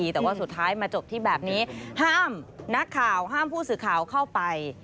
แต่ว่าสุดท้ายมาจบที่แบบนี้ห้ามนักข่าวห้ามผู้สื่อข่าวเข้าไป